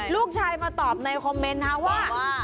ลูกชายมาตอบในคอมเมนต์นะว่า